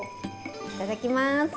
いただきます。